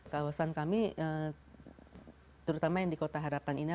kawasan kami terutama yang di kota harapan indah